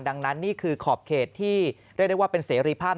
ดังนั้นนี่คือขอบเขตที่เรียกได้ว่าเป็นเสรีภาพ